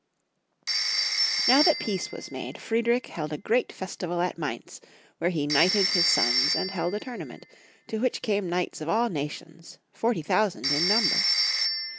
Now that peace was made, Friedrich held a great festival at Mainz, where he knighted his sons and held a tournament, to which came knights of all nations, forty thousand in number.